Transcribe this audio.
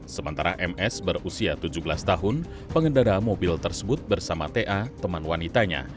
sementara ms berusia tujuh belas tahun pengendara mobil tersebut bersama ta teman wanitanya